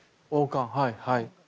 はいはい。